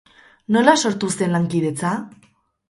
Nola sortu zen lankidetza?